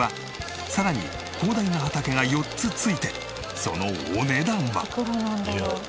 さらに広大な畑が４つ付いてそのお値段は。